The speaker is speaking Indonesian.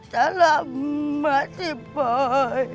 salam masih boy